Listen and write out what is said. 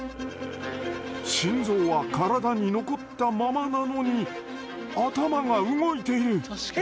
心臓は体に残ったままなのに頭が動いている！